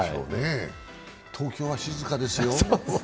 東京は静かですよ。